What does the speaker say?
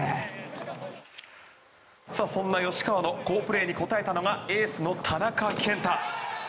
そんな吉川の好プレーに応えたのがエースの田中健太。